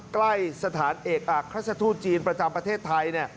ใกล้สถานเอกอักราชทูตจีนประจำประเทศไทย